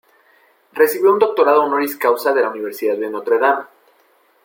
Recibió un Doctorado Honoris Causa de la Universidad de Notre Dame.